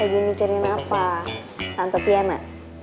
lagi mikirin apa tante piana